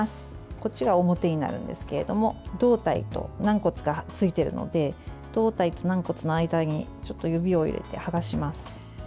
こっちが表になるんですけど胴体と軟骨がついているので胴体と軟骨の間にちょっと指を入れて剥がします。